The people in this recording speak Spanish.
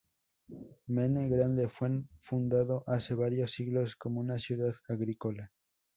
Mene Grande fue fundado hace varios siglos como una ciudad agrícola.